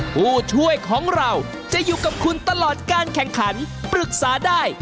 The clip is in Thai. ผู้ช่วยของเราจะอยู่กับคุณตลอดการแข่งขันปรึกษาได้